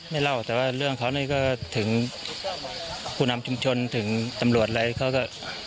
เล่าแต่ว่าเรื่องเขานี่ก็ถึงผู้นำชุมชนถึงตำรวจอะไรเขาก็